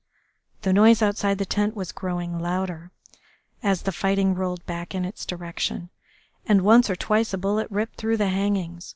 The noise outside the tent was growing louder as the fighting rolled back in its direction, and once or twice a bullet ripped through the hangings.